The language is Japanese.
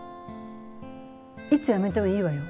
いつ辞めてもいいわよ。